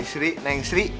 si sri neng sri